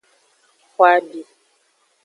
Xo abi.